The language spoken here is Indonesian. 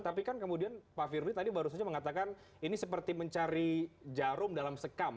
tapi kan kemudian pak firly tadi baru saja mengatakan ini seperti mencari jarum dalam sekam